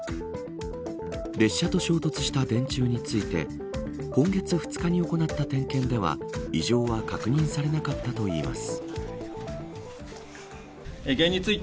列車と衝突した電柱について今月２日に行った点検では異常は確認されなかったといいます。